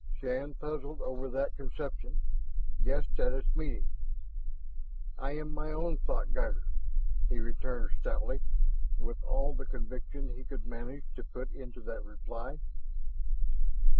Shann puzzled over that conception, guessed at its meaning. "I am my own thoughtguider," he returned stoutly, with all the conviction he could manage to put into that reply.